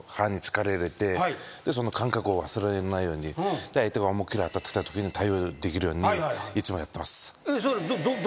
その感覚を忘れないように相手が思いっ切り当たってきたときに対応できるようにいつもやってます。